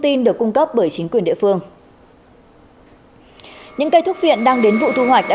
tin được cung cấp bởi chính quyền địa phương những cây thuốc viện đang đến vụ thu hoạch đã